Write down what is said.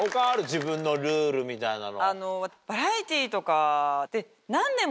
自分のルールみたいなの。